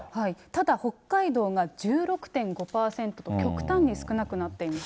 ただ、北海道が１６．５％と、極端に少なくなっています。